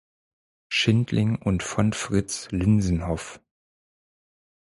Schindling und von Fritz Linsenhoff.